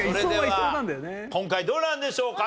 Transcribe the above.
今回どうなんでしょうか？